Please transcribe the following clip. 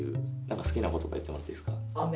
なんか好きな言葉言ってもらっていいですか？